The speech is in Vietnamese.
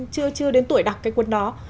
chưa đến tuổi đọc cái cuốn đó